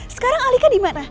sekarang alika dimana